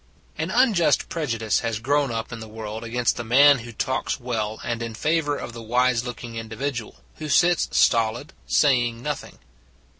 An unjust prejudice has grown up in the world against the man who talks well, and in favor of the wise looking individual, who sits stolid, saying nothing.